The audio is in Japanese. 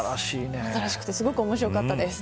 新しくてすごく面白かったです